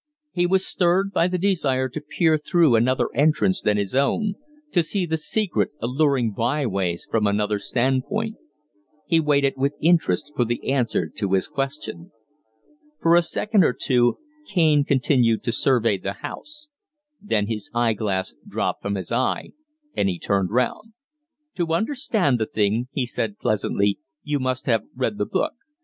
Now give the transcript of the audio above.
He was stirred by the desire to peer through another entrance than his own, to see the secret, alluring byways from another stand point. He waited with interest for the answer to his question. For a second or two Kaine continued to survey the house; then his eye glass dropped from his eye and he turned round. "To understand the thing," he said, pleasantly, "you must have read the book.